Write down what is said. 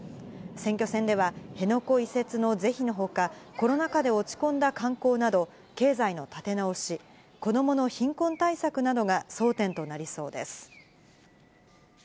選挙戦では、辺野古移設の是非のほか、コロナ禍で落ち込んだ観光など、経済の立て直し、子どもの貧困対策などが争点となりそうです。